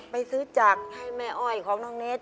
ไปซื้อจักรให้แม่อ้อยของน้องเนส